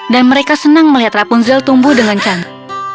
dan mereka senang melihat rapunzel tumbuh dengan cantik